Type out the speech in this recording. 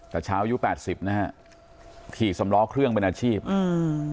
แต่เช้าอายุแปดสิบนะฮะขี่สำล้อเครื่องเป็นอาชีพอืม